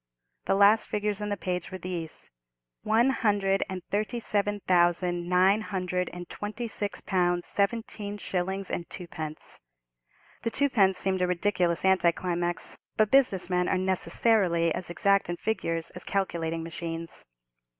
The last figures in the page were these: 137,926_l_. 17_s_. 2_d_. One hundred and thirty seven thousand nine hundred and twenty six pounds seventeen shillings and twopence. The twopence seemed a ridiculous anti climax; but business men are necessarily as exact in figures as calculating machines.